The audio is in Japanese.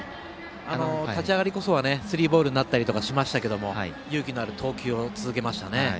立ち上がりこそスリーボールになったりしましたが勇気のある投球を続けましたね。